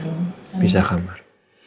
kami pisah kamar